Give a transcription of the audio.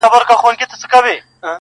دا رکم ـ رکم در پسې ژاړي